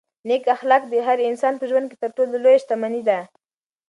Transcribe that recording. نېک اخلاق د هر انسان په ژوند کې تر ټولو لویه شتمني ده.